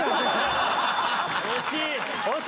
惜しい。